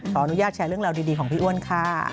ขออนุญาตแชร์เรื่องราวดีของพี่อ้วนค่ะ